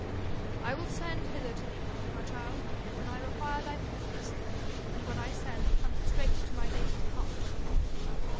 'I will send hither to thee, my child, when I require thy presence; and when I send come straight to my lady's parlour.'